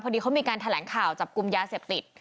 พอดีเขามีการแถลงข่าวจับกลุ่มยาเสพติด